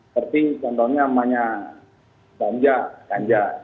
seperti contohnya namanya banja